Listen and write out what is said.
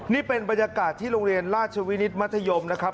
นี่เป็นบรรยากาศที่โรงเรียนราชวินิตมัธยมนะครับ